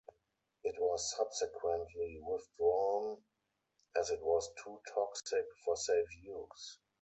It was subsequently withdrawn, as it was too toxic for safe use.